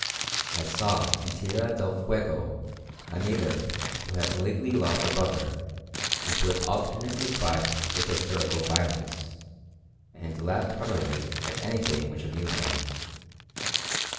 I saw in Tierra del Fuego a native who had lately lost a brother, and who alternately cried with hysterical violence, and laughed heartily at anything which amused him.